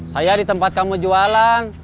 saya di tempat kamu jualan